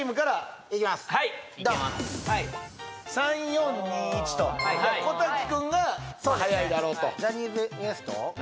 ドンはい３４２１と小瀧くんが早いだろうとジャニーズＷＥＳＴ